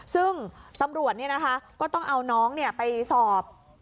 ซึ่งตำรวจก็ต้องเอาน้องไปสอบ